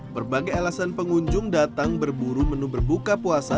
berbagai alasan pengunjung datang berburu menu berbuka puasa